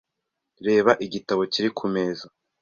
Reba igitabo kiri kumeza.